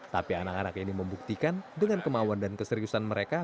tapi anak anak ini membuktikan dengan kemauan dan keseriusan mereka